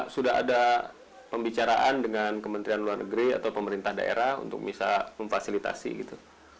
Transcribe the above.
sudah ada pembicaraan dengan kementerian luar negeri atau pemerintah daerah untuk bisa memfasilitasi gitu